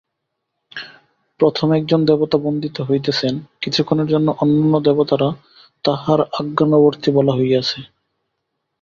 প্রথম একজন দেবতা বন্দিত হইতেছেন, কিছুক্ষণের জন্য অন্যান্য দেবতারা তাঁহার আজ্ঞানুবর্তী বলা হইয়াছে।